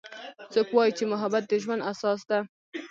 څوک وایي چې محبت د ژوند اساس ده